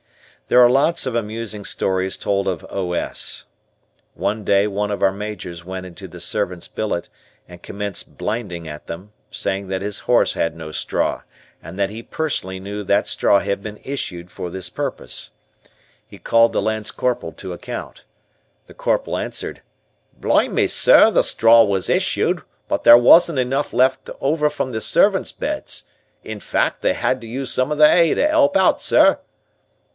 There are lots of amusing stories told of "O. S." One day one of our majors went into the servants' billet and commenced "blinding" at them, saying that his horse had no straw, and that he personally knew that straw had been issued for this purpose. He called the lance corporal to account. The Corporal answered, "Blime me, sir, the straw was issued, but there wasn't enough left over from the servants' beds; in fact, we had to use some of the 'ay to 'elp out, sir."